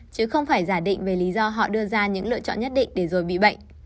chứ không phải giả định về lý do họ đưa ra những lựa chọn nhất định để rồi bị bệnh